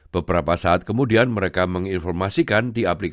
beberapa saat kemudian mereka menginformasikan di aplikasi